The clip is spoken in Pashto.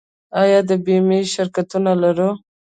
آیا د بیمې شرکتونه لرو؟